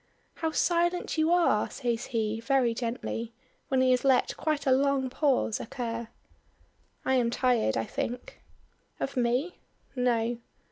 "How silent you are," says he, very gently, when he has let quite a long pause occur. "I am tired, I think." "Of me?" "No."